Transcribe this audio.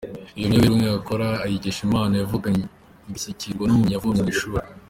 Iyo myuga y’uruhurirane akora ayikesha impano yavukanye igashyigikirwa n’ubumenyi yavomye mu ishuri.